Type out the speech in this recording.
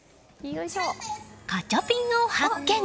ガチャピンを発見！